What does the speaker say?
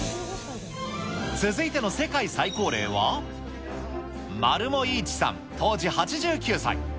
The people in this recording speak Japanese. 続いての世界最高齢は、丸茂伊一さん当時８９歳。